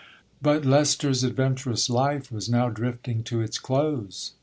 But Leicester's adventurous life was now drifting to its close.